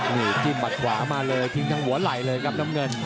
นี่จิ้มหัดขวามาเลยทิ้งทั้งหัวไหล่เลยครับน้ำเงิน